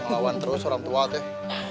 ngelawan terus orang tua tuh